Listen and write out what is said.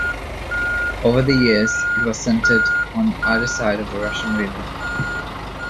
Over the years it was centered on either side of the Russian River.